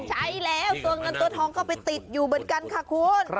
ใช้แล้วตัวเงินตัวทองก็ไปติดอยู่เหมือนกันค่ะคุณ